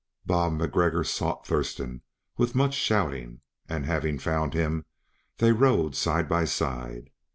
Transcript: Bob MacGregor sought Thurston with much shouting, and having found him they rode side by side.